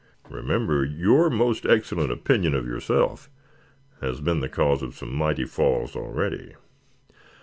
"Remember your most excellent opinion of yourself has been the cause of some mighty falls already."